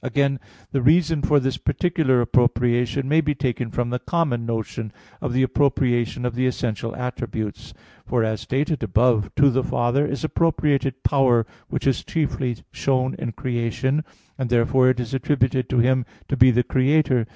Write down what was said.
Again, the reason for this particular appropriation may be taken from the common notion of the appropriation of the essential attributes. For, as above stated (Q. 39, A. 8, ad 3), to the Father is appropriated power which is chiefly shown in creation, and therefore it is attributed to Him to be the Creator.